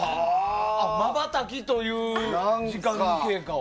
「まばたき」という。